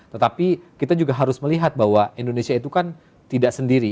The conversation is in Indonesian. tetapi kita juga harus melihat bahwa indonesia itu kan tidak sendiri